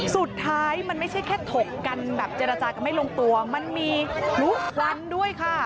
สุดท้ายมันไม่ใช่แค่ถกกันแบบเจรจากันไม่ลงตัวมันมีลุกล้ำด้วยค่ะ